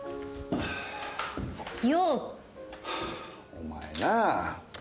お前なぁ。